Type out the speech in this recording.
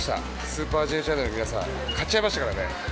「スーパーＪチャンネル」の皆さん買っちゃいましたからね！